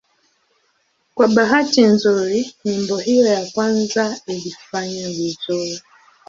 Kwa bahati nzuri nyimbo hiyo ya kwanza ilifanya vizuri.